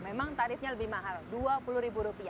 memang tarifnya lebih mahal rp dua puluh